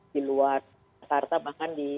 di luar jakarta bahkan di